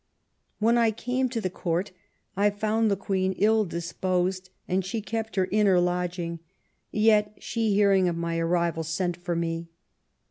"When I came to the Court I found the Queen ill disposed, and she kept her inner lodging; yet she hearing of my arrival sent for me.